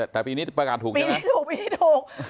แต่ปีนี้ประกาศถูกดีปีนี้ถูกปีนี้ถูก